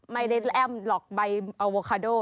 ไม่ได้แอ้มหรอกใบอโวคาโด